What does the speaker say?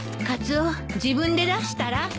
カツオ自分で出したら。